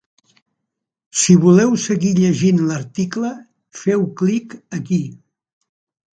Si voleu seguir llegint l’article, feu clic aquí.